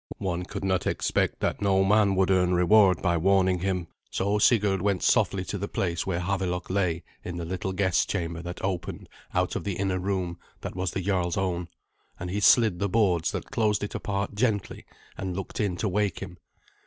One could not expect that no man would earn reward by warning him. So Sigurd went softly to the place where Havelok lay in the little guest chamber that opened out of the inner room that was the jarl's own, and he slid the boards that closed it apart gently and looked in to wake him.